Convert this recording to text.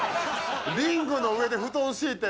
リングの上で布団しいて。